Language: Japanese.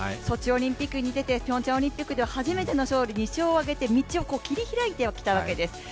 ソチオリンピックに出てピョンチャンオリンピックでは初めての勝利、道を切り開いてきたわけです。